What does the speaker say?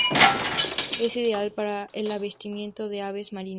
Es ideal para el avistamiento de aves marinas.